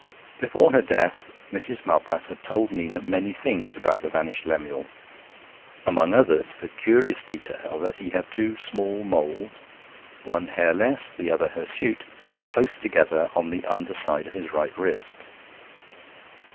Before her death Mrs. Malpas had told Nina many things about the vanished Lemuel; among others, the curious detail that he had two small moles one hairless, the other hirsute close together on the under side of his right wrist.